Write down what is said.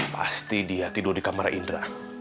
pasti dia tidur di kamar indra